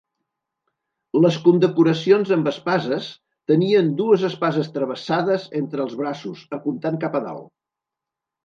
Les condecoracions amb espases tenien dues espases travessades entre els braços, apuntant cap a dalt.